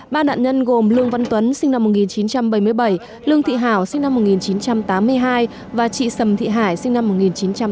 ba nạn nhân gồm lương văn tuấn sinh năm một nghìn chín trăm bảy mươi bảy lương thị hảo sinh năm một nghìn chín trăm tám mươi hai và chị sầm thị hải sinh năm một nghìn chín trăm tám mươi